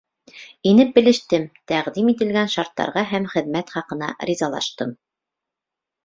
Инеп белештем, тәҡдим ителгән шарттарға һәм хеҙмәт хаҡына ризалаштым.